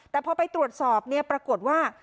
แต่พอไปตรวจสอบเนี่ยปรากฏว่า